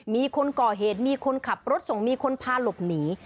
มีคนก่อเหตุมีคนขับรถส่งมีคนพาหลบหนี